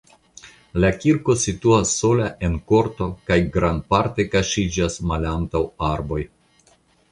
La kirko situas sola en korto kaj grandparte kaŝiĝas malantaŭ arboj.